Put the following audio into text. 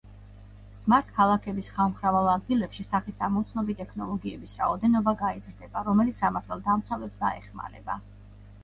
სმარტ-ქალაქების ხალხმრავალ ადგილებში სახის ამომცნობი ტექნოლოგიების რაოდენობა გაიზრდება, რომელიც სამართალდამცავებს დაეხმარება.